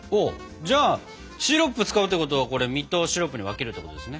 じゃあシロップ使うってことはこれ実とシロップに分けるってことですね？